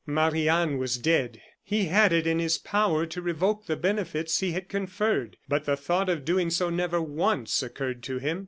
Marie Anne was dead; he had it in his power to revoke the benefits he had conferred, but the thought of doing so never once occurred to him.